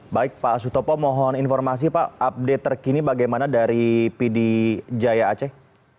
baik pak sutopo mohon informasi pak update terkini bagaimana dari pd jaya aceh